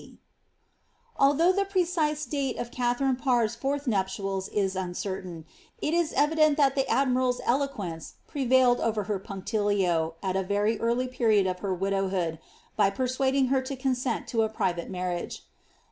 Althongh the precise date of Katharine Parr^s fourth nuptials is un certain, it is evident that the admiraPs eloquence prevailed over her punctilio, at a very early period of her widowhood, by persuading her to consent to a private marriage.